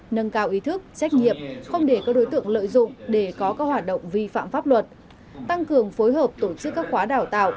nâng cao ý thức trách nhiệm không để các đối tượng lợi dụng để có các hoạt động vi phạm pháp luật tăng cường phối hợp tổ chức các khóa đào tạo